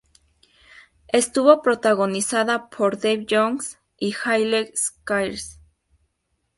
Estuvo protagonizada por Dave Johns y Hayley Squires.